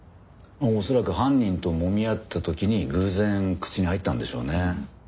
恐らく犯人ともみ合った時に偶然口に入ったんでしょうね。